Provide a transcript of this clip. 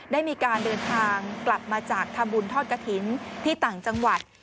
ได้มีการเดินทางกลับมาจากทำบุญทอดกระถิ่นที่ต่างจังหวัด